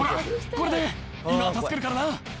これで今助けるからな。